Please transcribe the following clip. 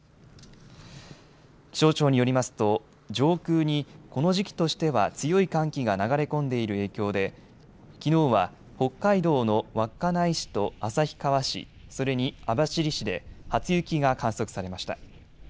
気象庁によりますと上空にこの時期としては強い寒気が流れ込んでいる影響できのうは北海道の稚内市と旭川市、それに網走市で初雪が観測されました。